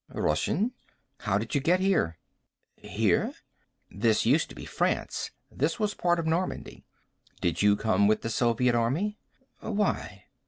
"Russian." "How did you get here?" "Here?" "This used to be France. This was part of Normandy. Did you come with the Soviet army?" "Why?"